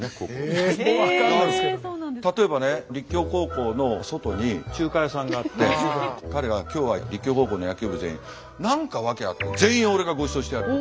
例えばね立教高校の外に中華屋さんがあって彼が今日は立教高校の野球部全員何か訳あって「全員俺がごちそうしてやる」って。